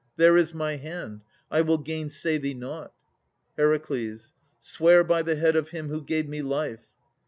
There is my hand: I will gainsay thee nought. HER. Swear by the head of him who gave me life.